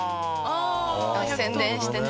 宣伝してね。